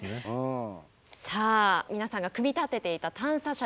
さあ皆さんが組み立てていた探査車ですね